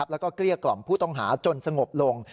แล้วก็เกลี้ยกล่อมผู้ต้องหาจนสงบลง